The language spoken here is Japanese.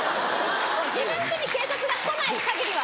自分ちに警察が来ない限りは。